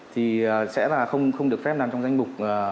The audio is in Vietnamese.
thì sẽ là không được phép nằm trong danh mục